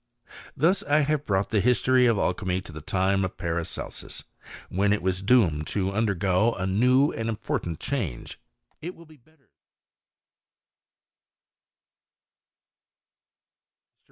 Thus I have brought the history of alchymy to the time of Paracelsus, when it was doomed to undergo a new and important change.